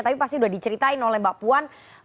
tapi pasti udah diceritain oleh mbak puan